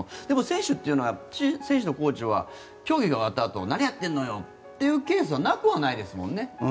でも、選手っていうのは選手とコーチは競技が終わったあと何やってるのよというケースはなくはないですもんね。